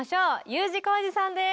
Ｕ字工事さんです。